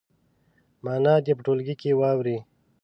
معنا دې په ټولګي کې واوروي.